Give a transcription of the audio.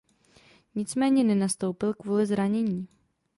Nicméně nenastoupil kvůli zranění.